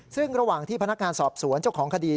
ซึ่งระหว่างที่พนักงานสอบสวนเจ้าของคดี